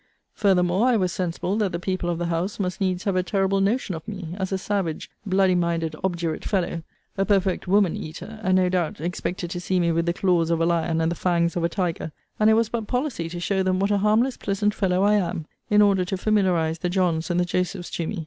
Furthermore, I was sensible that the people of the house must needs have a terrible notion of me, as a savage, bloody minded, obdurate fellow; a perfect woman eater; and, no doubt, expected to see me with the claws of a lion, and the fangs of a tiger; and it was but policy to show them what a harmless pleasant fellow I am, in order to familiarize the Johns and the Josephs to me.